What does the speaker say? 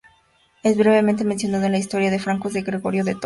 Es brevemente mencionada en la "Historia de los Francos", de Gregorio de Tours.